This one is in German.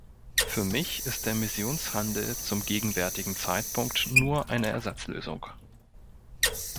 Für mich ist der Emissionshandel zum gegenwärtigen Zeitpunkt nur eine Ersatzlösung.